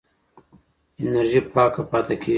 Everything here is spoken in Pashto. انرژي پاکه پاتې کېږي.